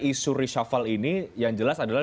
isu reshuffle ini yang jelas adalah